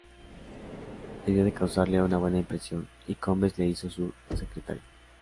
Debió de causarle una buena impresión, y Combes le hizo su secretario.